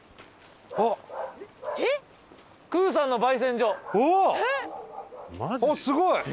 おっすごい！